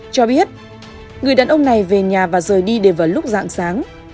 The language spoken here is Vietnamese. cho biết người đàn ông này về nhà và rời đi để vào lúc dạng sáng